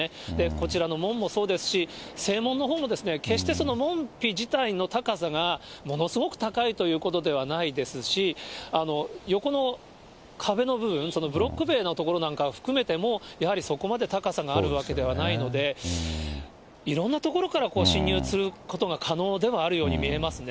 こちらの門もそうですし、正門のほうも、決してその門扉自体の高さがものすごく高いということではないですし、横の壁の部分、そのブロック塀のところなんかを含めても、やはりそこまで高さがあるわけではないので、いろんなところから侵入することが可能ではあるように見えますね。